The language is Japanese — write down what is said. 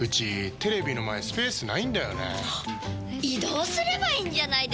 移動すればいいんじゃないですか？